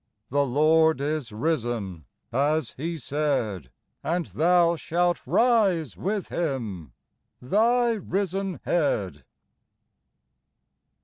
"The Lord is risen," as He said, And thou shalt rise with Him, thy risen Head.